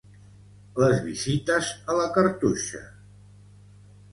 Les visites a la cartoixa.